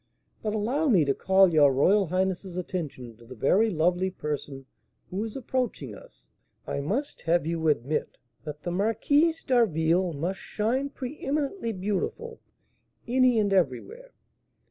But allow me to call your royal highness's attention to the very lovely person who is approaching us. I must have you admit that the Marquise d'Harville must shine preeminently beautiful any and every where.